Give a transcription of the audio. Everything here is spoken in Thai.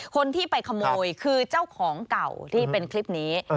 คนที่ไปขโมยคือเจ้าของเก่าที่เป็นคลิปนี้